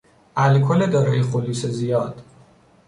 الکل دارای خلوص زیاد